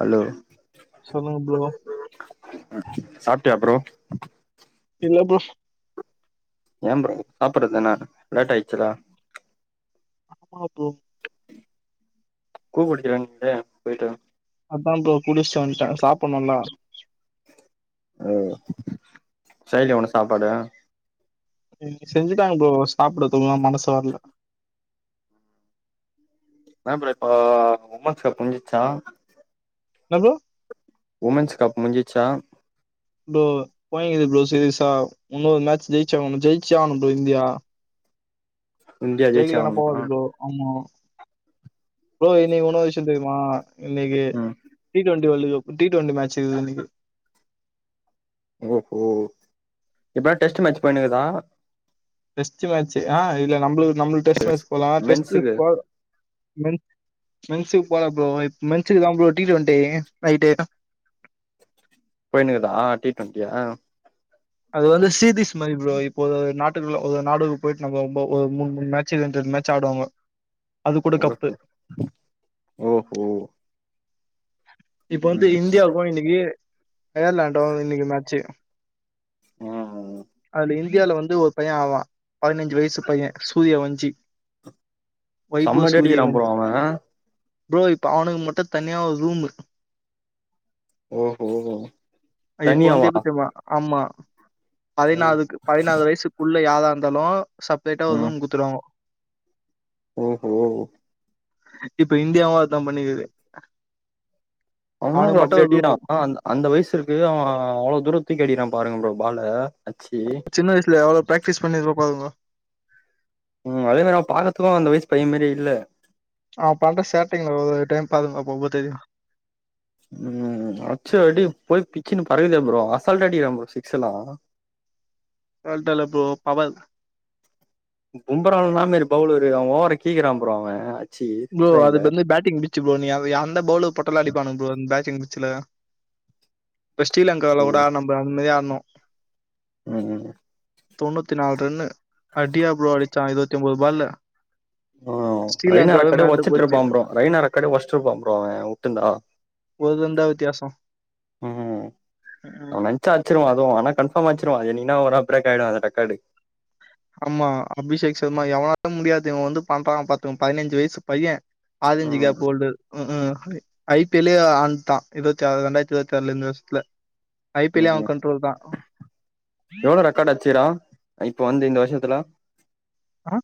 Hello சொல்லுங்க bro சாப்ட்டயா bro இல்ல ப்ரோ ஏன் ப்ரோ சாப்பிடுறதுதானே லேட் ஆயிடுச்ல்ல ஆமா ப்ரோ [unintelligible] என்கிட்ட போயிட்டு அதான் ப்ரோ குளிச்சிட்டு வந்ட்ட சாப்பிடணுல்ல ஓ செய்டு வாங்க சாப்பாடு இங்க செஞ்சுட்டாங்க ப்ரோ சாப்பிடறதுக்குதா மனசு வர்ல என்ன ப்ரோ இப்ப உமன்ஸ் கப் முடிஞ்சிச்சா என்ன ப்ரோ உமன்ஸ் கப் முடிஞ்சிச்சா ப்ரோ வலிக்குது ப்ரோ சீரியஸா இன்னொரு மேட்ச் ஜெயிச்சாகனு ஜெயிச்சே ஆகணு ப்ரோ இந்தியா இந்தியா ஜெயிச்சே ஜெயிக்கலினா ஆகணுமா போவாது ப்ரோ ஆமா ப்ரோ இன்னைக்கு இன்னொரு விஷ்யம் தெரியுமா இன்னைக்கு ம் இவளுக புட்டிட்டு வந்த மேட்ச் இது இன்னைக்கு ஓஹோ இப்ப டெஸ்ட் மேட்ச் போயினுக்குதா டெஸ்ட் மேட்சு ஆ இல்ல நம்ளு நம்மள்க்கு டெஸ்ட் மேட்ச் போலா டெஸ்ட் மென்ஸுக்கு போ மென் மென்சுக்கு போலா ப்ரோ இப் மென்சுக்குதா ப்ரோ டி டுவண்ட்டி நைட்டு போயினிக்குதா டி டுவெண்டியா அது வந்து சீரிஸ் மாரி ப்ரோ இப்போ நாட்டுக்குள்ள ஒரு நாடுக்கு போயிட்டு நம்போ ஒரு மூண் மூணு மேட்சு ரெண்டு ரன் மேட்ச் ஆடுவாங்கோ அது கூட கப்பு ஓகே ஓஹோ இப்ப வந்து ம் இந்தியாவுக்கு இன்னைக்கு அயர்லாண்டோ இன்னைக்கு மேட்சு ஆ அதுல இந்தியால வந்து ஒரு பையன் ஆடறான் பதினஞ்சு வயசு பையன் சூர்யா வஞ்சி வைபோ செம்ம அடி சூரிய அடிக்கிறா ப்ரோ வஞ்ச் அவ ப்ரோ இப்ப அவனுக்கு மட்டு தனியா ஒரு ரூமு ஓஹோ இப்ப வந்து தனியாவா எப்டி தெரியுமா ஆமா ம் பதினாலக்கு பதினாலு வயசுக்குள்ள யாரா இருந்தாலு செப்ரேட்டா ஒரு ம் ரூம் குத்துருவாஙோ ஓஹோ இப்ப இண்டியாவு அதா பண்ணிக்குது அவனு அங்க அவனுக்கு மட்டு அப்டி ஒரு அடிக்கறா ரூமு ஆனா அந்த அந்த வயசிருக்கு அவ அ அவ்ளோ தூரோ தூக்கி அடிக்கிறா பாருங்க ப்ரோ பால அச்சி சின்ன வயசுல எவ்ளோ பிராக்டிஸ் பண்ணி இருப்பாங்கோ ம் அதே மாரி அவ பாக்கத்துக்கூ அந்த வயசு பைய மாரி இல்ல ஆ பண்ற சேட்டைங்கள ஒரு டைம் பாருங்க அப்பப தெரியு ம் அட்ச்ச அடி போயி பிச்சினு பரவில்லயோ ப்ரோ அசால்டா அடிக்கறா ஃப்ரோ சிக்ஸ் எலா [unintelligible] ஃப்ரோ பவல் பும்பராலா ன்னாமேரி பவுளரு அவன் ஓவரா கீக்கிரா ஃப்ரோ அவ அச்சி ப்ரோ சிக்ஸ் அது லைன்ல வந்து பேட்டிங் பிச்சு ப்ரோ நீ அத எந்த பவுல போட்டாலு அடிப்பானுங்க ப்ரோ பேட்டிங் ச்சில இப்ப ஸ்ரீலங்கால கூட ம் ஆட்ன பாரு அந்த மாரி ஆட்ணு ம் தொண்ணூத்தி நால் ரன்னு அடியா ப்ரோ அடிச்சா இருவத்தி ஒன்பது பால்ல ஆ ரெய்னா ரெக் ஸ்ரீலங்காவே காட மிரண்டு ஒட்ச்சிட் போச்சு இருப்பா ப்ரோ ரைனா ரெக்கார்ட் ஒடச்சிட் இருப்பா ப்ரோ அவ வுட்டுந்தா ஒரு ரன் தான் வித்தியாசம் ம் அவ நென்ச்ச அச்சிருவா அதுவு ஆனா கன்ஃபார்ம் ஆச்சிருவா அது என்னிக்கீனா ஒரு நா ப்ரேக் ஆயிரு ரெக்கார்டு ஆமா அபிஷேக் சர்மா எவனாலும் முடியாது இவ வந்து பண்றா பாத்துங்க பதினஞ்சு வயசு பைய ஆரஞ்சு ம் கேப் போல்டர் க்கு ஐ பி எல் லயே ஆண்டுடா இருபத்தி ஆறு ரெண்டாயிரத்தி இருபத்தி ஆறுல இந்த வருஷத்துல ஐபிஎல்லே ம்ம் அவன் கண்ட்ரோல் தான் எவ்ளோ ரெக்கார்ட் அச்சிகிரா இப்போ வந்து இந்த வருஷ ஷத்துல ஆ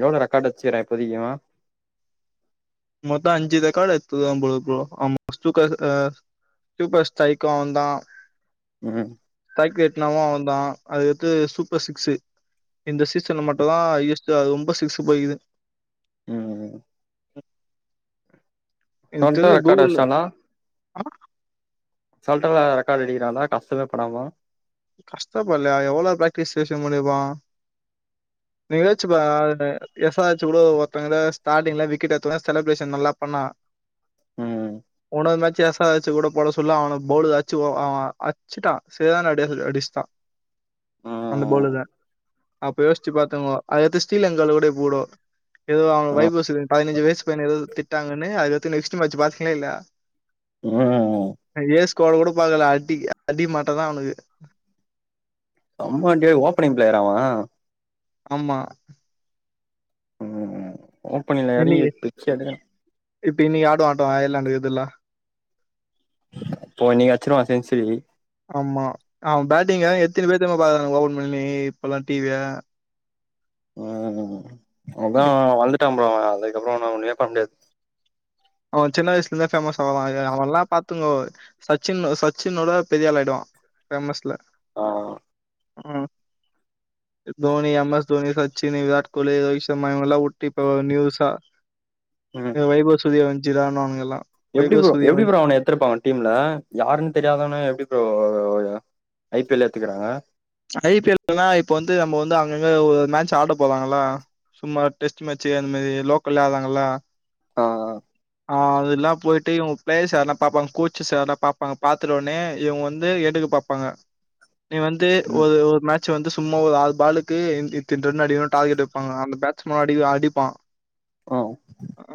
எவ்ளோ ரெக்கார்ட் வச்க்கிறா இப்போதக்கி அவ மொத்த அஞ்சு ரெக்கார்ட் எத்துருக்கா போல ப்ரோ [unintelligible] சூப்பர் ஸ்டைக்கூ அவந்தா ம் கெட்னாவு அவந்தா அது அடுத்து சூப்பர் சிக்ஸு இந்த சீசன்ல மட்டுதா ஹையஸ்டு ரொம்ப சிக்ஸ் போயிகிது ம் எனக்கு சொண்ட தெர்ல கூகுள்ல ரெக்காடஷ்டானா ஆ அசால்டா ரெக்கார்டு அடிக்கிறான்ல கஷ்டமே படாம கஷ்டப்பட்லயா எவ்ளோ பிராக்டிஸ் செஷன் பண்ணிருப்பா நீங்கலாச்சு ப எஸ் ஆர் எச் கூட ஒருத்தங்கல ஸ்டாட்டிங்ல விக்கெட் எடுத்த ஒட்னே செலப்ரேஷன் நல்லா பண்ணா ம் உன்னோரு மேச்ச எஸ் ஆர் எச் கூட போட சொல்ல அவன போடுஅச்சு ஒ அவ அச்சுட்டா சரியானா அடி [unintelligible] அடிச்சுட்டா அந்த ம் போலருதா அப்ப யோசிச்சு பாத்துங்கோ அதடுத்து ஸ்ரீலங்கால கூடோ இப்பகூடோ ஏதோ அவுங்க வைபவுசூ பதினஞ்சு வயசுபையன ஏதோ திட்டாங்கன்னு அது அடுத்து நெஸ்ட் மேட்ச் பாத்தீங்ளா இல்லயா ம் ஏஸ் ஸ்கோர கூட பாக்கல அடி அடி மாட்ட தா அவனுக்கு அம்மாண்டிய ஓப்பனிங் பிளேயரா அவ ஆமா ம் ம் இன்னிக்கி இப்ப இன்னிக்கு ஆடுவா ஆட்டோ அயர்லாந்து இதுல்லா இப்போ இன்னைக்கு அச்சிருவா செஞ்சுரி ஆமா அவ பேட் நீங்க எத்தினி பேரு தெரிமா பாக்றாங்க ஓபன் பண்ணி இப்பல்லா டிவிய ம் அதா வளந்துட்டா போல அவ அதுக்கப்றோ ஒன்னுமே பண்ண முடியாது அவ சின்ன வயசுல இருந்தே ஃபேமஸ் ஆவா அவன்ல்லாம் பாத்துங்கோ சச்சின் சச்சினோட பெரிய ஆள ஆயிடுவா ஃபேமஸ்ல ஆ ம் தோனி, எம் எஸ் தோனி, சச்சினு, விராட் கோலி, ரோஹித் சர்மா இவங்கலா உட்டு இப்ப நியூசா ம் வைபவ் சூர்யா வஞ்ச்சிரனானுகல்லா எப்டி ப்ரோ எப்டி ப்ரோ அவன எத்துருப்பாங்க டீம்ல யாருன் தெரியாதவன எப்டி ப்ரோ ஐ பி எல் ல எத்துக்குறாங்க ஐ பி எல் னா இப்ப வந்து நம்ம வந்து அங் கங்க ஒரு மேட்ச் ஆட போறாங்களா சும்மா டெஸ்ட் மேட்ச்சு அந்த மாரி லோக்கல்லே ஆடறாங்கள ஆ அ அ அதெல்லா போய்ட்டு இவங்க பிளேயர்ஸ் யாரெல்லா பாப்பாங்க கோச்சுஸ் யாரல்லா பாப்பாங்க பாத்துட் உடனே இவங்க வந்து எடுக்க பாப்பாங்க நீ வந்து ம் ஒரு ஒரு மே ட்ச் வந்து சும்மா ஒரு ஆறு பாலுக்கு இத் இத்தின ரன் அடிகணு டார்கெட் வப்பாங்க அந்த பேட்ஸ்மேன் அடி அடிப்பா ஓ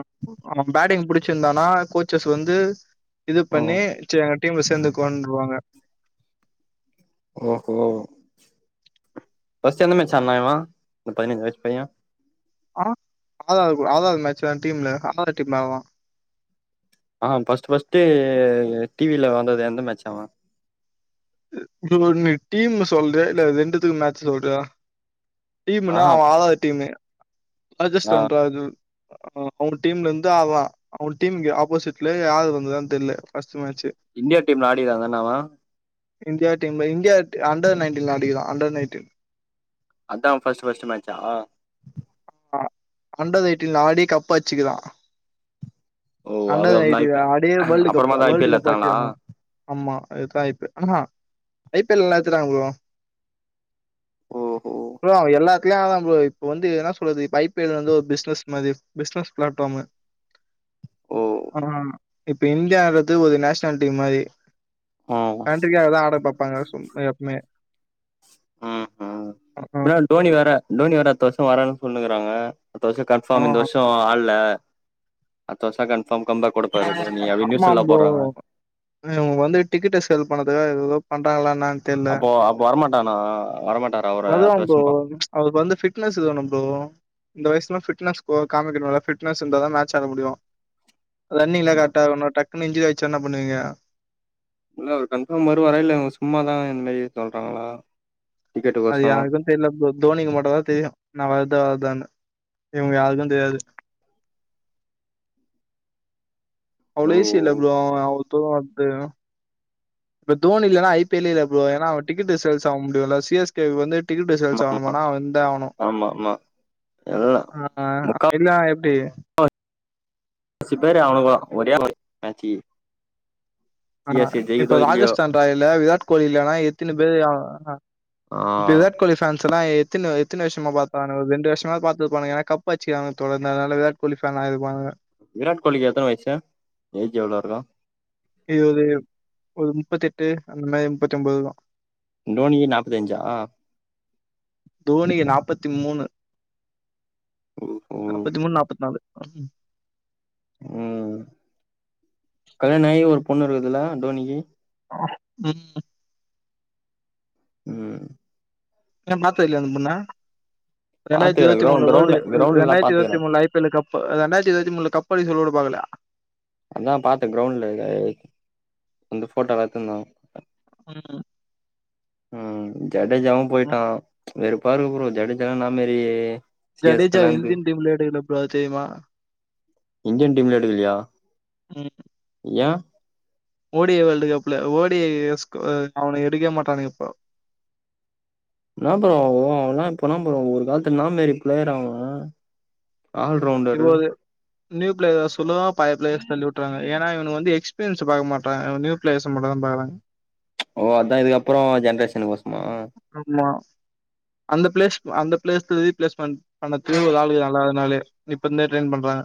ம் அவ பேட்டிங் புடிச்சிருந்தானா கோச்சஸ் வந்து இது ஓ பண்ணி சர் எங்க டீம்ல சேந்துகோண்ருவாங்க ஓஹோ ஃபஸ்ட் எந்த மேட்ச் ஆடுனா இவ இந்த பையன ஏச் பைய ஆ ஆதா ஆறாவது மேட்ச் ல டீம்ல ஆறாவது டீம் டா அவ ஆ ஃபஸ்ட் ஃபஸ்ட்டு டி வி ல வந்தது எந்த மேட்ச் அவ நீ ஒன்னு டீம் ல சொல்றியா இல்ல ரெண்டுத்துக்கு மேட்ச் சொல்றியா டீமுனா ஆஹா அவ ஆறாவது டீமு ஆ ராஜஸ்தான் ராஜூ அவுங் டீம்ல இருந்து அவ அவ டீம்க்கு ஆப்போசிட்ல யாரு வந்ருகான் தெர்லே ஃபஸ்ட் இன்டியா டீம்ல ஆடிருக்காந்தான அவ இன்டியா டீம்ல இன்டியா அட் அண்டர் நைன்டின்ல ஆடிருக்கா அண்டர் நைன்டின் அதா அவ ஃபஸ்ட்டு ஃபஸ்ட் மேட்ச்சா அ அண்டர் எயிட்டின்ல ஆடி கப் அச்சுருக்ரா ஓ அது அண்டர் அப்ப ஐ எய்ட்டின்ல பி ஆடி வேல்டு கப் அப்புறமா தா I P world L cup எத்தாங்களா அச்சுருக்கானோ அம்மா அதுதா ஐ பி ஆஹா ஐ பி எல் லா எத்துட்டாங்க ப்ரோ ஓஹோ ப்ரோ அவ எல்லாத்துலயு ஆடறா ப்ரோ இப்ப வந்து எதனா என்ன சொல்றது இப்ப ஐ பி எல் வந்து ஒரு பிஸ்னஸ் மாரி பிஸ்னஸ் பிளாட்ஃபாமு ஓ ஆனா இப்ப இந்தியா ஆடுறது ஒரு நேஷனல் டீம் மாரி ம் கன்ட்ரிகாகதா ஆட பாப்பாங்க சோ எப்பமே ம் ம் ஆ பின்னால டோனி வேற டோனி வேற அடுத்த வருஷ வரானு சொல்னுகிறாங்க அட்த்த வருஷ ஆ கன்பாஃம் இந்த வருஷ ஆல்ல அட்த்த வருஷ கன் ஆமாம் ப்ரோ போடுறாங்க இவங்க வந்து டிக்கெட்ட சேல் பண்றதுக்காக ஏதேதோ பண்றாங்களா என்னன் அப்போ அப்ப வரமாட்டானா வரமாட் வருவாம் ப்ரோ அதுக்கு வந்து ஃபிட்னஸ் வேணும் ப்ரோ இந்த வயசுல ஃபிட்னஸ்கு காமிக்கணுல ஃபிட்னஸ் இருந்தா தா மேட்ச் ஆட முடியு ரன்னிங்லா கரெக்டா இருக்னு டக்குனு இஞ்சுரி ஆச்சா என்ன பண்ணுவிங்க இல்ல அவரு கன்ஃபாம் வருவாரா இல்ல இவுங் சும்மாதா இந்த மாயி சொல்றாங்ளா அது யாருக்கு தெர்ல ப்ரோ தோனிக்கு மட்டுந் தா தெரியு நா வர்த வர்தானு இவங்க யாருக்கு தெரியாது அவ்ளோ ஈ சி இல்ல ப்ரோ அவ்ளோ தூர வர்து இப்ப தோனி இல்லனா ஐ பி எல்லே இல்ல ப்ரோ ஏனா அவ டிக்கெட் சேல்ஸ் ஆக முடிறதில்ல சி ஸ் கே கு வந்து டிக்கெட் சேல்ஸ் ஆகனுமானா அவ இந்தே ஆவனு மா மா ஆ அப்டி னா எப்டி பத்து பேர் அவுனுக ஒரே ஒரு மேச்சு ஆ இப்ப ராஜஸ்தான் ராயல்ல விராட் கோலி இல்லேனா எத்தினி பேரு ஆ ப்ப விராட் கோலி ஃபேன்செலா எ எத்தன எத்தன வருஷமா பாக்றாங்க ஒரு ரெண்டு வருஷமா பாத்துருப்பானுக ஏன்னா கப்பு அடிச்சுக்காங்க தோழர் அதுனால வீராட் கோலி ஃபேன் ஆய்ருப்பாங்க வீராட கோலிக்கு எத்தன வயசு ஏஜ் எவ்ளோ இருக்கு இது ஒரு முப்பத்தி எட்டு அந்த மாரி முப்பத்தி ஒன்பது இருக்கு டோனிகு நாற்பத்தஞ்சா நாப்பத்தி மூணு ஓஹோ நாப்பத்தி மூணு நாப்பத்தி நாலு ம் கல்யாணம் ஆகி ஒரு பொண்ணு இருக்குதுல்ல டோனிக்கு ம் ம் ஏ பாத்தது இல்லயா அந்த பொண்ண இண்டாயிரத்த பாத்துக்கறே இருத்தி மூணுல கிரௌண்ட் வேல்டு கிரௌண்ட்ல கிரௌண்ட்ல எல்லா ரெண்டயிரத்து இருபத்தி பாத்துக்கறே மூணுல ஐ பி எல் கப்பு ரெண்டாயிரத்த இருபத்தி மூணுல கப்பு ப்படி சொல்லி கூட பாக்கலா அதா பாத்தே கிரௌண்ல அந்த போட்டோ வெச்சிருந்தாங்க ம் ம் ஜடேஜாவு ம். போய்ட்டா வேறுப்பா இருக்கு ப்ரோ ஜடேஜான்னா மேரி ஜடேஜா இந்தியன் டீம்ல எடுக்கலப்ப தெரியுமா இந்தியன் டீம்ல எடுக்கலியா ம். ஏ ஓ டி யே வேர்ல்டு கப்ல ஓ டி டே அவன எடுக்கவே மாட்டானுக இப்போ [inaudible] என்ன ப்ரோ அவல்லா இப்ப நா ப்ரோ ஒரு காலத்து என்னா மேரி பிளேயர் அவ இப்போ ஆல்ரவுண்டரு அது நியூ பிளேயர்ஸ் செல்லு பயபுள்ள சொல்லி விட்டுறாங்க ஏன்னா இவ வந்து எஸ்பீரியன்ஸ் பாக்க மாட்ராக நியூ பிளேயர்ஸ் மட்டு தா பாக்குறாங்க ஓ அதா இதுக்கப்புறோ ஜென்ரேஷன் ஆமா அந்த பிளேஸ் அந்த பிளேஸ் ரிப்லேஸ்மென்ட் பண்ணத்துல ஒரு ஆளுக்கு நல்லாதுனால இப்ப இருந்தே ட்ரெயின் பண்றாங்க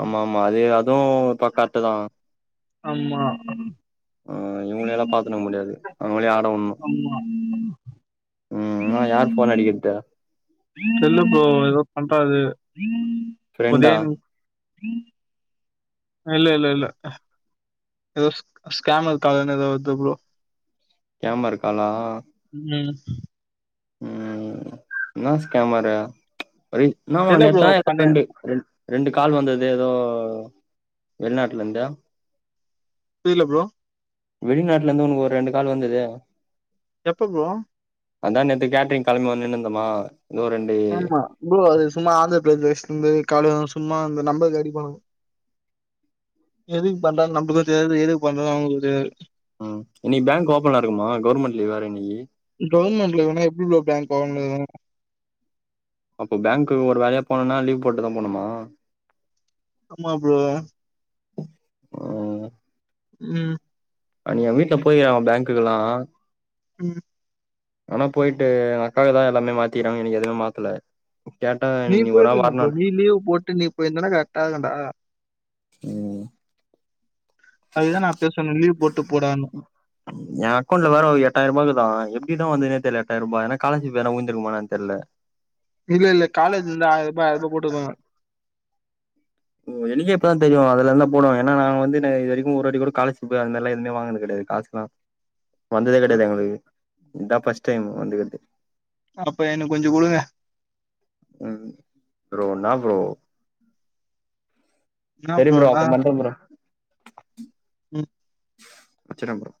ஆமா ஆமா அது அதுவு கரெக்டு தா ஆமா அ இவங்கள எல்லா பாத்துட முடியாது அவங்களயு ஆடவிடணு ஃபோன் அடிக்கிறது சொல்லு ப்ரோ எதோ [unintelligible] ஃப்ரெண்டா ம் இல்ல இல்ல இல்ல எதோ ஸ்கேமர் கால்னு ஏதோ வருது ப்ரோ ஸ்கேமர் காலா ம். ம் என்னா ஸ்கேமாறு அது இன்னாவோ இல்ல ப்ரோ பண்ண [inaudible] ரெண்டு கால் வந்தது ஏதோ வெளிநாட்டுல இருந்து புரில ப்ரோ வெளிநாட்டுல இருந்து உனக்கு ஒரு ரெண்டு கால் வந்துது எப்ப ப்ரோ அதா நேத்து கேட்டரிங் கிளம்பி வந்துனு இருந்தமா ஆமா ப்ரோ அது சும்மா ஆந்திர பிரதேச்சு இருந்து கால்வரு சும்மா இந்த நம்மருக்கு அடிப்பானுக எதுக்கு பண்றாங்கனு நம்மளுக்கு தெரியாது எதுக்கு பண்றாங்கனு அவங்களுகு தெரியாது ம் இன்னிக்கு பேங்க் ஓப்பனா இருக்குமா கவுவர்மெண்ட் லீவு வேற இன்னிக்கு பேங்க ஓபன் பண்ணி அப்போ பேங்க்கு ஒரு வேலையா போனும்னா லீவ் போட்டுதா போனுமா ஆமா ப்ரோ ம் நீ வீட்ல போவியா பேங்க்குக்குகெல்லா ம் ஆனா போயிட்டு அக்காவு தா எல்லாமே மாத்திறுகாங்க எனக்கு எதுவுமே மாத்தல கேட்டா நீ ஒரு நாள் போயிருதுனோ வரணுன் நீ லீவு் போட்டு நீ போயிருந்தனா கரெக்டா ஆயிருகுண்டா ம் அதுதான் நான் பேச சொன்னேன் லீவ் போட்டு போடான்னு ஏ அக்கௌண்ட்ல வேற எட்டாயிர ரூபாயிருக்குதா இப்பிடி வந்துனே தெர்ல எட்டாயிர ரூபா ஏன்னா காலேஜ் பேர்ல வுளுந்துருக்குமா என்னனு தெர்ல இல்ல இல்ல காலேஜ்ல இருந்து ஆயிர ரூபா ஆயிர ரூபா போட்டுருந்தாங்க ஓ எனேக்கே இப்பதா தெரியு அதுல்ல தா போடுவாங்க ஏன்னா நா வந்துனு இது வரைக்கு ஒரு வாட்டி கூட காலர்சிபாபு அதுமாரிலா வாங்குனது கெடையாது காசு எல்லா வந்ததே கெடையாது எங்களுக்கு இதா ஃபஸ்ட் டைம் வந்து இருக்கிறது அப்ப எனக்கு கொஞ்சோ குடுங்க ம் ப்ரோ என்னா ப்ரோ என்ன செரி ப்ரோ அப்றோ பண்ற ப்ரோ ம் வெச்சற ப்ரோ